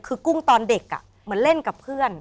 คือกุ้งตอนเด็กเหมือนเล่นกับเพื่อน